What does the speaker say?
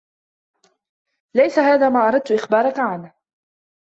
ليس هذا ما أردت إخبارك عنه.